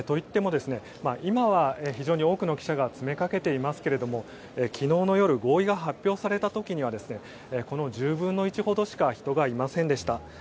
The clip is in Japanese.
今は非常に多くの記者が詰めかけていますが昨日の夜合意が発表された時にはこの１０分の１ほどしか人がいませんでした。